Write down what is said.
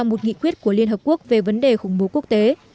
một nghị quyết của liên hợp quốc về vấn đề khủng bố quốc tế